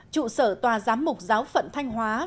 trụ sở tòa giám mục giáo phận thanh hóa